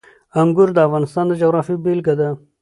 انګور د افغانستان د جغرافیې بېلګه ده.